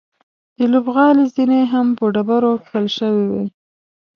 د لوبغالي زینې هم په ډبرو کښل شوې وې.